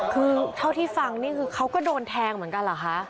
คือเท่าที่ฟังนี่คือเขาก็โดนแทงเหมือนกันเหรอคะ